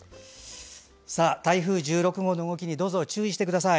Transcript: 台風１６号の動きにどうぞ注意してください。